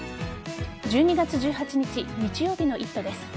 １２月１８日日曜日の「イット！」です。